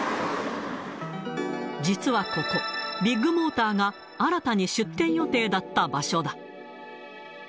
実はここ、ビッグモーターが新たに出店予定だった場所だ。